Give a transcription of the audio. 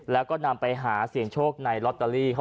แล้วก็นำไปหาเสียงโชคในลอตเตอรี่